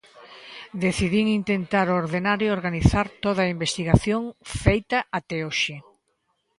Decidín intentar ordenar e organizar toda a investigación feita até hoxe.